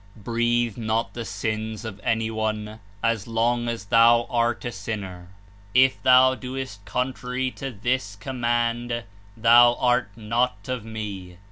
Breathe not the sins of any one as long as thou art a sinner. If thou doest contrary 149 to this comnunid thou art not of Me.